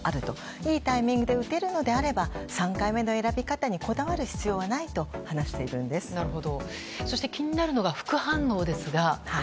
いいタイミングで打てるのであれば３回目の選び方にこだわる必要はないとそして、気になるのが副反応ですが。